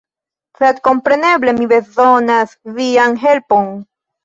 Sed kompreneble mi bezonas vian helpon!